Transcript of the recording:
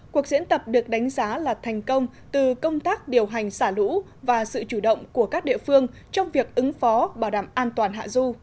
cuộc diễn tập được đánh giá là thành công từ công tác điều hành xả lũ và sự chủ động của các địa phương trong việc ứng phó bảo đảm an toàn hạ du